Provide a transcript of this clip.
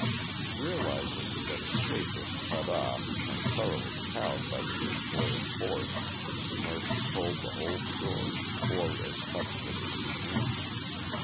Realizing that escape was cut off and thoroughly cowed by the display of force, Murphy told the whole story or as much of it as he knew.